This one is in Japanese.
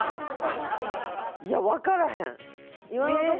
いやわからへん。